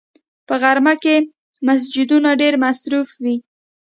په غرمه کې مسجدونه ډېر مصروف وي